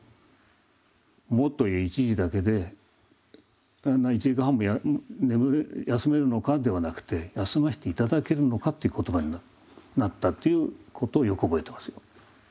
「も」という一字だけで「１時間半も休めるのか」ではなくて「休ませて頂けるのか」という言葉になったということをよく覚えてますよ。